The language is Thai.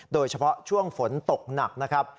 โดยเฉพาะช่วงฝนตกหนักนะครับ